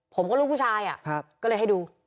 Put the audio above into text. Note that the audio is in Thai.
ผมก็ลูกผู้ชายอ่ะก็เลยให้ดู